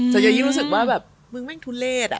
ฉันยังยิ่งรู้สึกว่าแบบมึงแม่งทุนเลสอะ